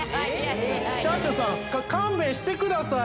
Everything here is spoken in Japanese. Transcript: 社長さん、勘弁してください。